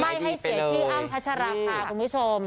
ไม่ให้เสียที่อ้างพัชาราค่ะคุณผู้ชม